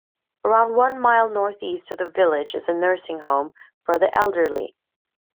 Around one mile north-east of the village is a nursing home for the elderly.